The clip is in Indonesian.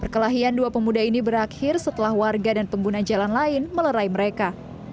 perkelahian dua pemuda ini berakhir setelah warga dan pengguna jalan lain melerai mereka